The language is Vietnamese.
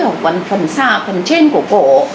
hoặc là phần trên của cổ